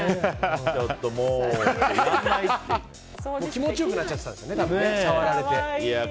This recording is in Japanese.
気持ち良くなっちゃってたんですよね